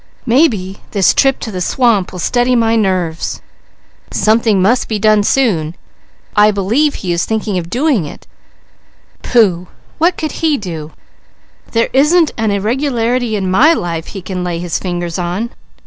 _ Maybe this trip to the swamp will steady my nerves! Something must be done soon, and I believe, actually I believe he is thinking of doing it! Pooh! What could he do? There isn't an irregularity in my life he can lay his fingers on!"